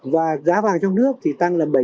và giá vàng trong nước thì tăng là bảy mươi bốn ba